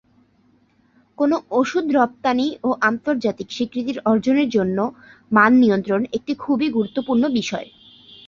কোন ওষুধ রপ্তানি ও আন্তর্জাতিক স্বীকৃতির অর্জনের জন্য মান নিয়ন্ত্রণ একটি খুবই গুরুত্বপূর্ণ বিষয়।